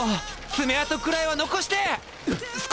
爪痕くらいは残してえ！